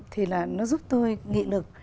thì là nó giúp tôi nghị lực